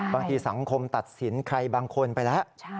บางทีสังคมตัดสินใครบางคนไปแล้ว